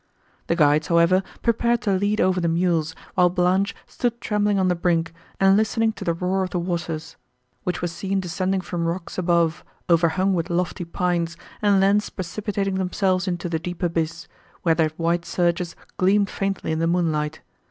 The guides, however, prepared to lead over the mules, while Blanche stood trembling on the brink, and listening to the roar of the waters, which were seen descending from rocks above, overhung with lofty pines, and thence precipitating themselves into the deep abyss, where their white surges gleamed faintly in the moonlight.